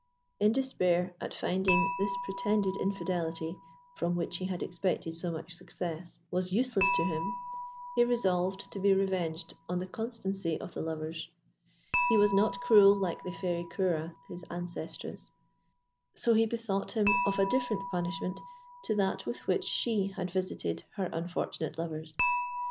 In despair at finding this pretended infidelity, from which he had expected so much success, was useless to him, he resolved to be revenged on the constancy of the lovers: he was not cruel, like the Fairy Ceora, his ancestress, so he bethought him of a different punishment to that with which she had visited her unfortunate lovers.